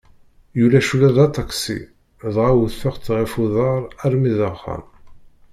Ulac ula d aṭaksi, dɣa wteɣ-tt ɣef uḍar armi d axxam.